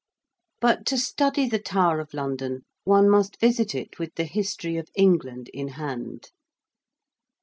But to study the Tower of London one must visit it with the History of England in hand.